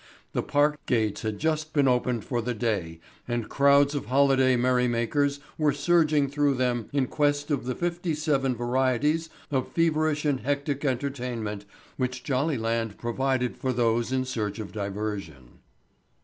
The park gates had just been opened for the day and crowds of holiday merry makers were surging through them in quest of the fifty seven varieties of feverish and hectic entertainment which Jollyland provided for those in search of diversion.